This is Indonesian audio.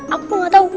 aku tuh gak tau